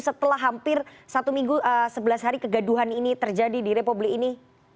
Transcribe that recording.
setelah hampir satu minggu sebelas hari kegaduhan ini terjadi di republik ini